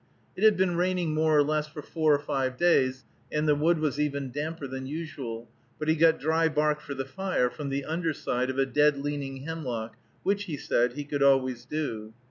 It had been raining more or less for four or five days, and the wood was even damper than usual, but he got dry bark for the fire from the under side of a dead leaning hemlock, which, he said, he could always do.